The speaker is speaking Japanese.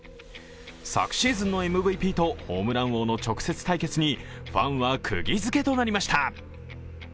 昨シーズンのＭＶＰとホームラン王の直接対決にファンはくぎづけとなりました。